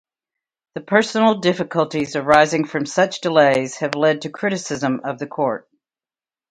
The personal difficulties arising from such delays have led to criticism of the Court.